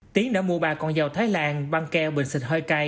tiến đã mua bà con giàu thái lan băng keo bình xịt hơi cay